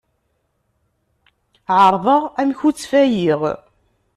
Ԑerḍeɣ amek ur ttfayiɣ.